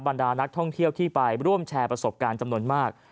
ดานักท่องเที่ยวที่ไปร่วมแชร์ประสบการณ์จำนวนมาก